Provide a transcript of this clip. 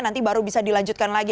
nanti baru bisa dilanjutkan lagi